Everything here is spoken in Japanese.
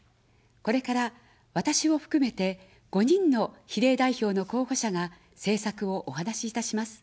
これから、私を含めて５人の比例代表の候補者が政策をお話いたします。